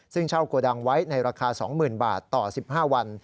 ซึ่งเช่าโกดังไว้ในราคา๒๐๐๐บาทต่อ๑๕วัน